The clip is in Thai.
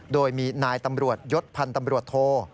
โดยมีนายตำรวจยศพันธ์ตำรวจโท